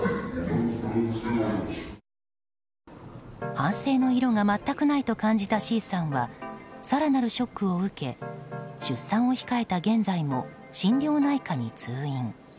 反省の色が全くないと感じたＣさんは更なるショックを受け出産を控えた現在も心療内科に通院。